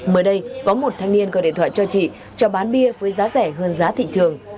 mới đây có một thanh niên gọi điện thoại cho chị cho bán bia với giá rẻ hơn giá thị trường